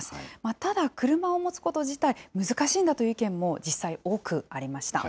ただ、車を持つこと自体、難しいんだという意見も実際多くありま